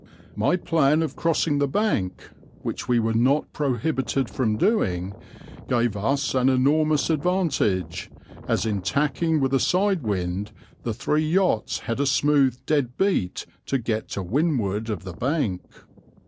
My plan of crossing the bank, which we were not prohibited from doing, gave us an enormous advantage, as in tacking with a side wind the three yachts had a smooth dead beat to get to windward of the bank.